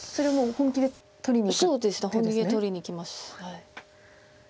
本気で取りにいきます。